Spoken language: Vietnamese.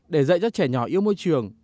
để dạy cho trẻ nhỏ yêu môi trường